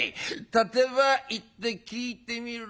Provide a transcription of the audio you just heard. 立て場行って聞いてみろ。